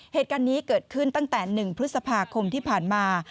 เหตุการณ์นี้เกิดขึ้นตั้งแต่๑พฤษภาคมที่ผ่านมา